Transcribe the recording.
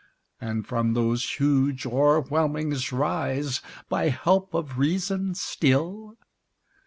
And from those huge o'erwhelmings rise, by help of reason still?